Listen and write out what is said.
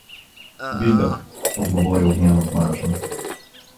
— Виждах — отговори Огнянов мрачно.